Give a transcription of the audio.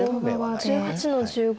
白１８の十五。